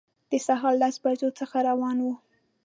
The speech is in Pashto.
د سهار لسو بجو څخه روان وو.